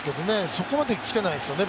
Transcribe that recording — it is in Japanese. そこまできてないですね